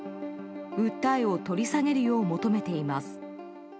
訴えを取り下げるよう求めています。